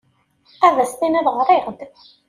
Ad as-tiniḍ ɣriɣ-d?